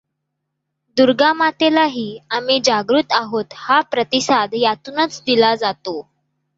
दुर्गामातेला ही आम्ही जागृत आहोत हा प्रतिसाद यातूनच दिला जातो.